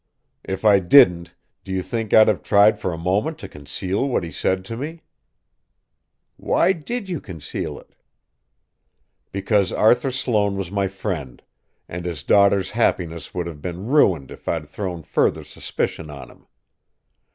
"If I didn't, do you think I'd have tried for a moment to conceal what he said to me?" "Why did you conceal it?" "Because Arthur Sloane was my friend, and his daughter's happiness would have been ruined if I'd thrown further suspicion on him.